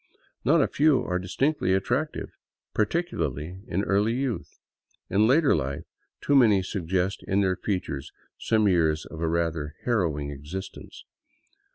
Not a few are distinctly attractive, particularly in early youth. In later life too many suggest |in their features some years of a rather harrowing existence.